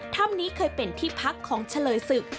ถ้ำนี้เคยเป็นที่พักของเฉลยศึก